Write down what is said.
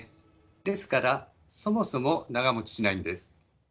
ですからそもそも長もちしないんです。